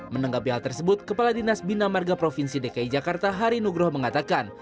menanggap biar tersebut kepala dinas bina marga provinsi dki jakarta hari nugroh mengatakan